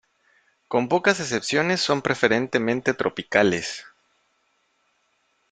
Con pocas excepciones son preferentemente tropicales.